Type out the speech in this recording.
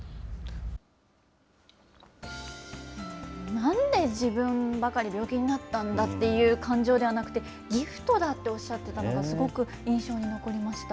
なんで自分ばかり病気になったんだっていう感情ではなくて、ギフトだっておっしゃってたのが、すごく印象に残りました。